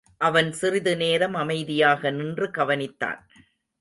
அவன் சிறிது நேரம் அமைதியாக நின்று கவனித்தான்.